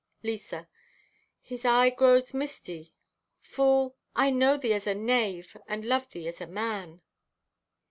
(Lisa) "His eye grows misty. Fool, I know thee as a knave and love thee as a man."